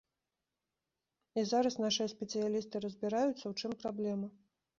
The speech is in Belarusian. І зараз нашыя спецыялісты разбіраюцца, у чым праблема.